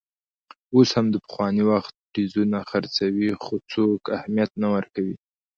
اوس هم د پخواني وخت ټیزونه خرڅوي، خو څوک اهمیت نه ورکوي.